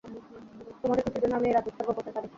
তোমাদের খুশির জন্য আমি এই রাত উৎসর্গ করতে পারি।